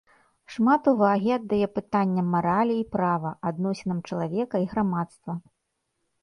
Шмат увагі аддае пытанням маралі і права, адносінам чалавека і грамадства.